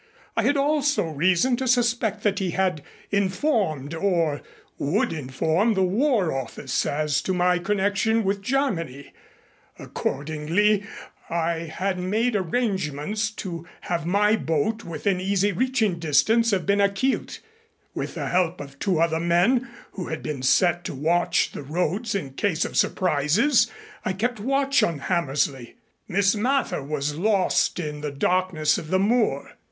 I had also reason to suspect that he had informed, or would inform, the War Office as to my connection with Germany. Accordingly I had made arrangements to have my boat within easy reaching distance of Ben a Chielt. With the help of two other men who had been set to watch the roads in case of surprises I kept watch on Hammersley. Miss Mather we lost in the darkness of the moor.